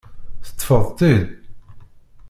Teṭṭfeḍ-t-id?